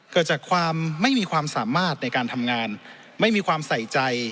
เกิดจากความไม่มีความสามารถในการทำงานไม่มีความใส่ใจ